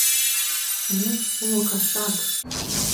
— Ме, уло кашак!